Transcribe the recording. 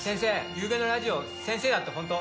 ゆうべのラジオ先生だって本当？